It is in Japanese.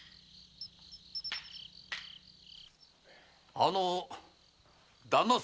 ・あの旦那様。